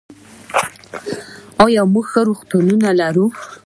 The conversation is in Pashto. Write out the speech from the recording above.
آیا موږ ښه روغتونونه لرو؟